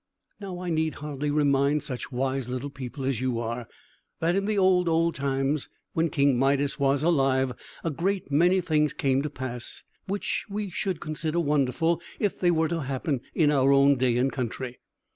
Now, I need hardly remind such wise little people as you are, that in the old, old times, when King Midas was alive, a great many things came to pass, which we should consider wonderful if they were to happen in our own day and country.